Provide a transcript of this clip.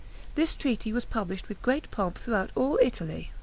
This treaty was published with great pomp throughout all Italy.